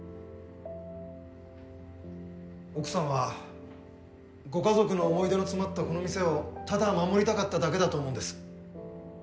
奥さんはご家族の思い出の詰まったこの店をただ守りたかっただけだと思うんです。